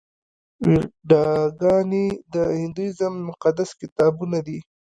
ویداګانې د هندویزم مقدس کتابونه دي.